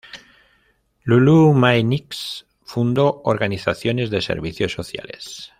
Lulu Mae Nix, fundó organizaciones de servicios sociales.